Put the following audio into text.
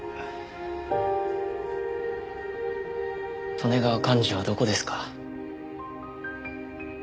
利根川寛二はどこですか？